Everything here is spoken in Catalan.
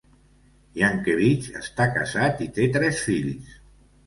Yankevich està casat i té tres fills.